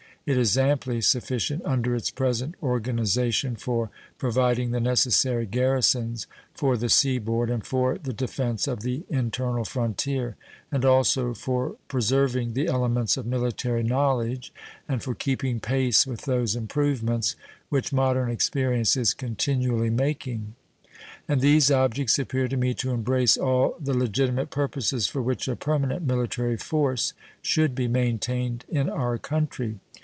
It is amply sufficient under its present organization for providing the necessary garrisons for the seaboard and for the defense of the internal frontier, and also for preserving the elements of military knowledge and for keeping pace with those improvements which modern experience is continually making. And these objects appear to me to embrace all the legitimate purposes for which a permanent military force should be maintained in our country.